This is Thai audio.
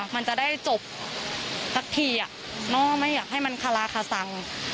มันจะได้จบสักทีไม่อยากให้มันคาราคาสัง